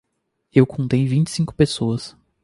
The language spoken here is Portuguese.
Eu contei vinte e cinco pessoas.